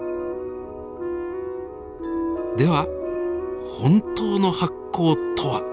では本当の発光とは？